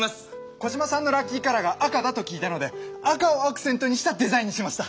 コジマさんのラッキーカラーが赤だと聞いたので赤をアクセントにしたデザインにしました！